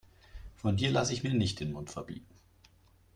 Von dir lasse ich mir nicht den Mund verbieten.